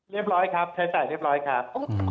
เรียบร้อยครับใช้จ่ายเรียบร้อยครับ